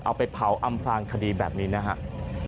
เอาไปเผาอำพลางคดีแบบนี้นะครับ